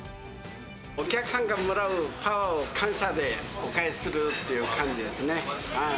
お客さんからもらうパワーを感謝でお返しするっていう感じですね。